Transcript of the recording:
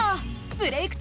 「ブレイクッ！